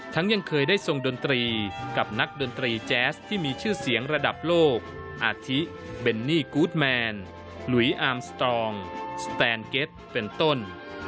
ยังเคยได้ทรงดนตรีกับนักดนตรีแจ๊สที่มีชื่อเสียงระดับโลกอาทิเบนนี่กูธแมนหลุยอาร์มสตรองสแตนเก็ตเป็นต้น